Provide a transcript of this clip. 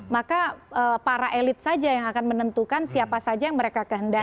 maka para elit saja yang akan menentukan siapa saja yang mereka kehendaki